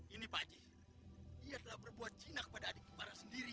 ini pak haji ia telah berbuat cina kepada adik kepala sendiri